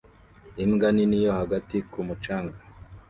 Imbwa nini yo hagati ku mucanga